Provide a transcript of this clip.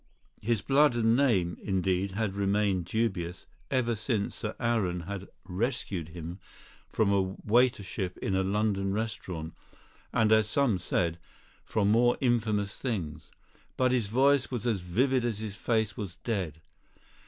His blood and name, indeed, had remained dubious, ever since Sir Aaron had "rescued" him from a waitership in a London restaurant, and (as some said) from more infamous things. But his voice was as vivid as his face was dead.